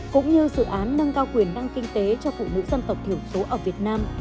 cũng như dự án nâng cao quyền năng kinh tế cho phụ nữ dân tộc thiểu số ở việt nam